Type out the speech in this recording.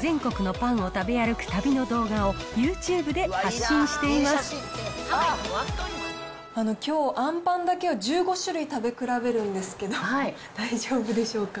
全国のパンを食べ歩く旅の動画をユーチューブで発信していまきょう、あんパンだけを１５種類食べ比べるんですけど、大丈夫でしょうか